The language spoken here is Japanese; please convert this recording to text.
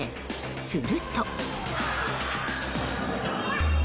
すると。